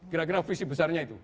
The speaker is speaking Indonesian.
kira kira visi besarnya itu